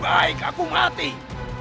daripada aku membuka rahasia itu